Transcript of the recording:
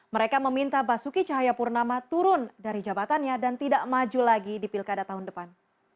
mereka meminta basuki cahayapurnama turun dari jabatannya dan tidak maju lagi di pilkada tahun depan